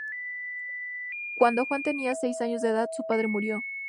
Cuando Juan tenía seis años de edad, su padre murió.